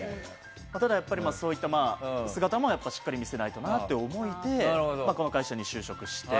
ただ、やっぱりそういった姿もしっかり見せないとなという思いでこの会社に就職して。